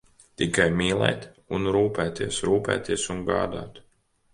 Tikai mīlēt un rūpēties, rūpēties un gādāt.